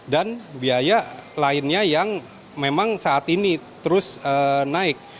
dan biaya lainnya yang memang saat ini terus naik